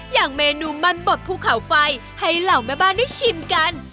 อย่างเมนูมันบดภูเขาไฟให้เหล่าแม่บ้านได้ชิมกัน